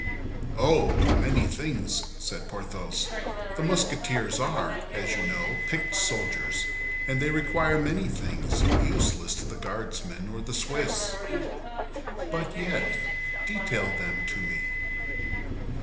"Oh, of many things!" said Porthos. "The Musketeers are, as you know, picked soldiers, and they require many things useless to the Guardsmen or the Swiss." "But yet, detail them to me."